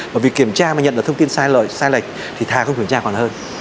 bởi vì kiểm tra mà nhận được thông tin sai lệch thì thà không kiểm tra còn hơn